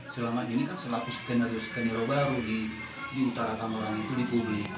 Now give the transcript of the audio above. selama ini kan selaku skenario skenario baru di utara kamar orang itu di publik